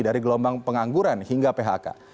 dari gelombang pengangguran hingga phk